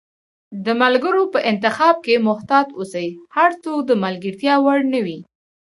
د ملګرو په انتخاب کښي محتاط اوسی، هرڅوک د ملګرتیا وړ نه وي